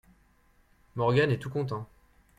Morgan est tout content.